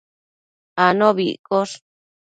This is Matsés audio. anobi iccosh